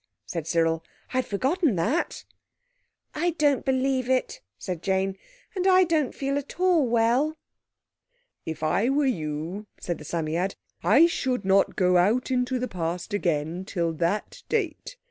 said Cyril, "I'd forgotten that." "I don't believe it," said Jane, "and I don't feel at all well." "If I were you," said the Psammead, "I should not go out into the Past again till that date.